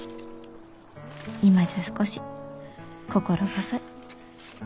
今じゃ少し心細い。